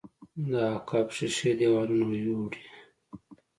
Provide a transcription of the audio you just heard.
د عقب ښيښې دېوالونو يوړې.